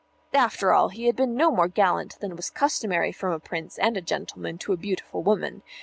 After all, he had been no more gallant than was customary from a Prince and a gentleman to a beautiful woman.